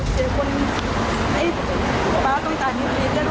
ฉันต้องเชื่อคนไอ้ป้าต้องตายอยู่ที่นี่จ้ายต้องตายอยู่ที่นี่